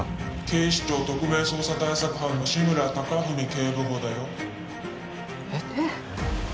警視庁特命捜査対策班の志村貴文警部補だよえっ？えっ？